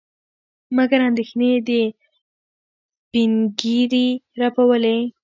مګر اندېښنې د سپينږيري رپولې.